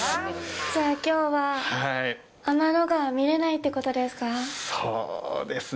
じゃあ、きょうは天の川見れないってことですか？